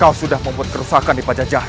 kau sudah membuat kerusakan di pajak cinta